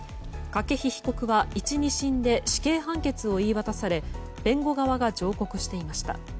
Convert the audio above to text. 筧被告は１、２審で死刑判決を言い渡され弁護側が上告していました。